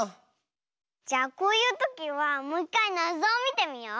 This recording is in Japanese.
じゃこういうときはもういっかいなぞをみてみよう。